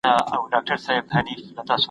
که غوټه احساس کړئ ډاکټر ته لاړ شئ.